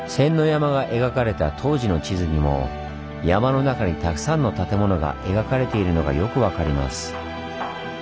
山が描かれた当時の地図にも山の中にたくさんの建物が描かれているのがよく分かります。